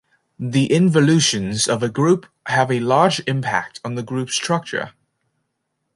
The involutions of a group have a large impact on the group's structure.